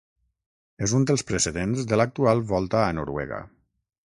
És un dels precedents de l'actual Volta a Noruega.